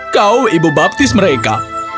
kau ibu baptis mereka